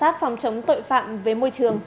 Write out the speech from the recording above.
phòng chống tội phạm với môi trường